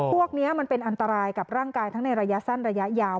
พวกนี้มันเป็นอันตรายกับร่างกายทั้งในระยะสั้นระยะยาว